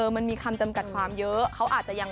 มันมีความจำกัดความเยอะ